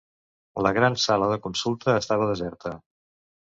La gran sala de consulta estava deserta.